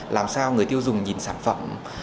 làm sao người tiêu dùng nhìn sản phẩm